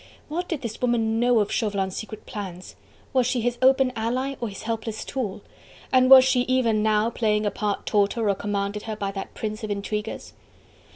What did this woman know of Chauvelin's secret plans? Was she his open ally, or his helpless tool? And was she even now playing a part taught her or commanded her by that prince of intriguers?